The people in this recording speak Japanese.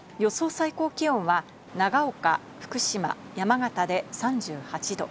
最高気温は長岡、福島、山形で３８度。